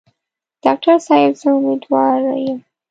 ډاکټر صاحب زه امیندواره یم.